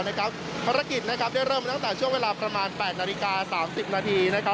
ภารกิจได้เริ่มตั้งแต่ช่วงเวลาประมาณ๘นาฬิกา๓๐นาที